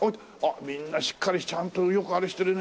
みんなしっかりちゃんとよくあれしてるね。